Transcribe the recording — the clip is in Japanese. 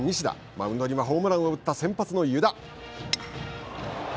マウンドにはホームランを打った先発の湯田。